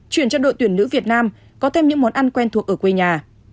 chuyển cho đội tuyển nữ việt nam có thêm những món ăn quen thuộc ở quê nhà